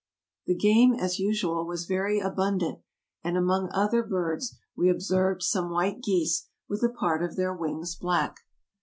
The game, as usual, was very abundant; and, among other birds, we observed some white geese, with a part of their wings black.